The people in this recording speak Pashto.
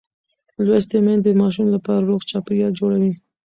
لوستې میندې د ماشوم لپاره روغ چاپېریال جوړوي.